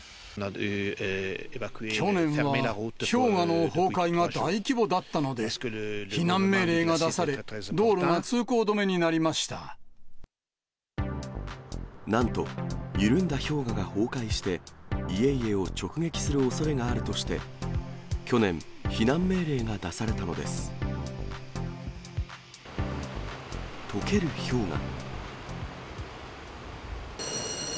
去年は氷河の崩壊が大規模だったので、避難命令が出され、なんと、緩んだ氷河が崩壊して、家々を直撃するおそれがあるとして、去年、避難命令が出されたのです。とける氷河。